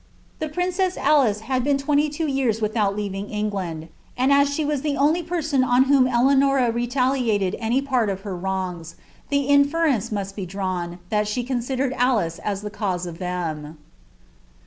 The princess Alice had been twenty two years with II leaving England ; and as she was the only person on whom Eleanora taliated any part of her wrongs, the inference must be drawn, tliat she msidered Alice as the cause of them.